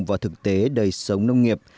và thực tế đời sống nông nghiệp